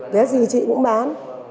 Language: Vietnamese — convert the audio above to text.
vé gì chị cũng bán